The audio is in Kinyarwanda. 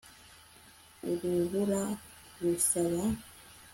urubura rusaba